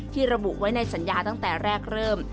ระบุไว้ในสัญญาตั้งแต่แรกเริ่ม